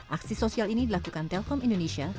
aksi sosial ini dilakukan telkom indonesia